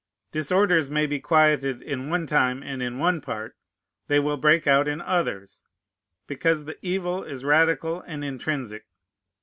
Disorders may be quieted in one time and in one part. They will break out in others; because the evil is radical and intrinsic.